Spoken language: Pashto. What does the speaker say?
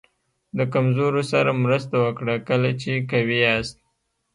د کمزورو سره مرسته وکړه کله چې قوي یاست.